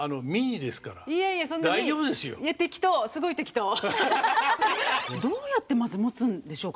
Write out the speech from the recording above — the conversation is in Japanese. いやいやでもどうやってまず持つんでしょうか。